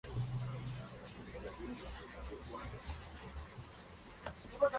Generalmente asociado a fuerzas excesivas producidas por la flexión del dedo gordo.